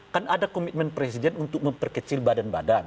kan ada komitmen presiden untuk memperkecil badan badan